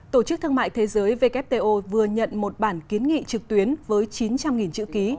tổ chức thương mại thế giới wto vừa nhận một bản kiến nghị trực tuyến với chín trăm linh chữ ký